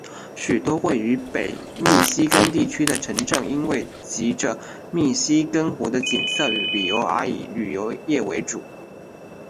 许多位于北密西根地区的城镇因为藉着密西根湖的景色与娱乐而以旅游业为主。